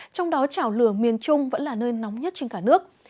trong đó chảo lửa miền trung vẫn là nơi nóng nhất trên cả nước